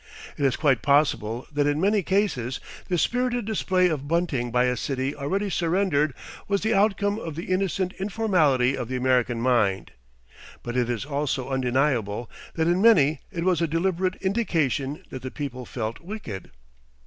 It is quite possible that in many cases this spirited display of bunting by a city already surrendered was the outcome of the innocent informality of the American mind, but it is also undeniable that in many it was a deliberate indication that the people "felt wicked."